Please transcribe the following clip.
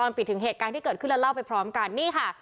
ปิดถึงเหตุการณ์ที่เกิดขึ้นแล้วเล่าไปพร้อมกันนี่ค่ะ